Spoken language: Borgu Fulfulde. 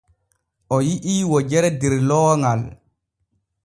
O yi’i wojere der looŋal.